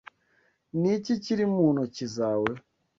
Ni iki kiri mu ntoki zawe